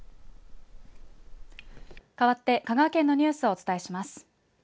かわって香川県のニュースをお伝えします。